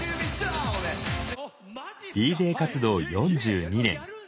ＤＪ活動４２年。